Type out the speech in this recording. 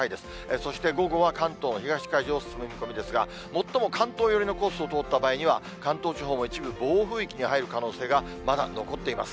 そして午後は関東の東海上を進む見込みですが、最も関東寄りのコースを通った場合には、関東地方も一部暴風域に入る可能性が、まだ残っています。